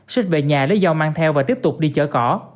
xết về nhà lấy dao mang theo và tiếp tục đi chở cỏ